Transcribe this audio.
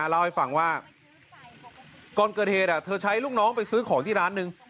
เล่าให้ฟังว่าก่อนเกิดเหตุเธอใช้ลูกน้องไปซื้อของที่ร้านนึง